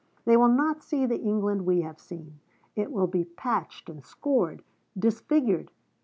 They will not see the England we have seen. It will be patched and scored, disfigured...